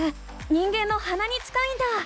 人間のはなに近いんだ！